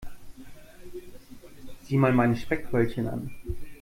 Sieh mal meine Speckröllchen an.